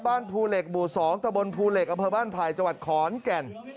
บ้านภูเหล็กบู่๒ตะบนภูเหล็กอภัยบ้านภายจขอนแก่น